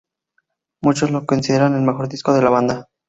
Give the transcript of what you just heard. Muchos lo consideran el mejor disco de la banda.